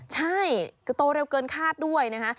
ใช่คือโตเร็วเกินคาดด้วยนะคะ